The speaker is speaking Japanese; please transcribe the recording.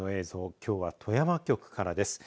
きょうは富山局からです。